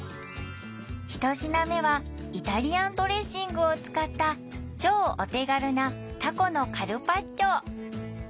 一品目はイタリアンドレッシングを使ったお手軽な「タコのカルパッチョ」